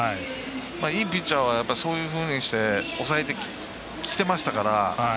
いいピッチャーはそういうふうにして抑えてきてましたから。